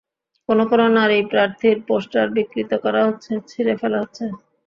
কোনো কোনো নারী প্রার্থীর পোস্টার বিকৃত করা হচ্ছে, ছিঁড়ে ফেলা হচ্ছে।